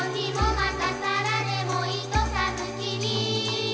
「またさらでもいと寒きに」